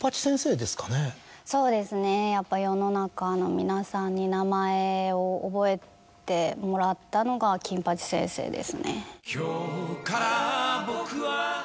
そうですねやっぱ世の中の皆さんに名前を覚えてもらったのが『金八先生』ですね。